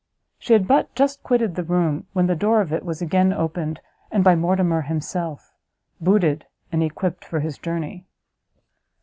She had but just quitted the room, when the door of it was again opened, and by Mortimer himself, booted, and equipped for his journey.